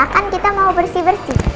bahkan kita mau bersih bersih